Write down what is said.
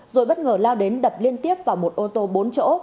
rồi bất ngờ lao đến đập liên tiếp vào một ô tô bốn chỗ